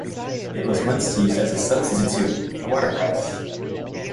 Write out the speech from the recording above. It was once used as a substitute for watercress.